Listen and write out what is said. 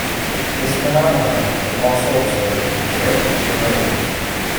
This phenomenon is also observed in carrot puree.